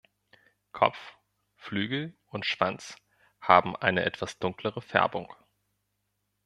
Kopf, Flügel und Schwanz haben eine etwas dunklere Färbung.